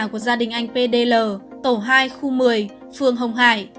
của gia đình anh pdl tổ hai khu một mươi phường hồng hải